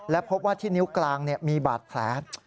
และพบว่าที่นิ้วกลางมีบาดแผล